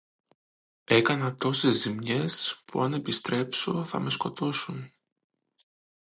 Έκανα τόσες ζημιές, που αν επιστρέψω θα με σκοτώσουν!